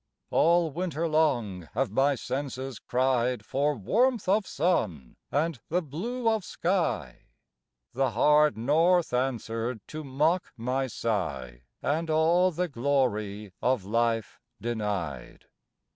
All winter long have my senses cried For warmth of sun, and the blue of sky, The hard north answered to mock my sigh, And all the glory of life denied.